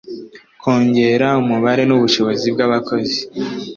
kongera umubare n’ ubushobozi bw’ abakozi